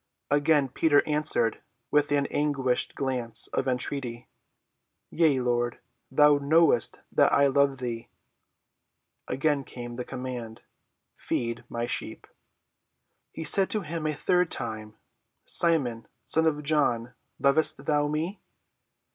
Again Peter answered with an anguished glance of entreaty, "Yea, Lord; thou knowest that I love thee." Again came the command, "Feed my sheep." He said to him the third time, "Simon, son of John, lovest thou me?"